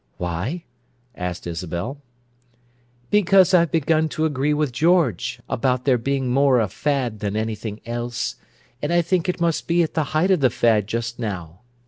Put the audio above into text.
"Why?" asked Isabel. "Because I've begun to agree with George about their being more a fad than anything else, and I think it must be the height of the fad just now.